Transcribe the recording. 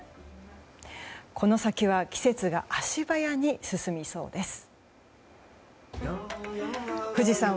この先は季節が足早に進みそうです。